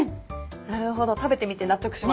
なるほど食べてみて納得しました。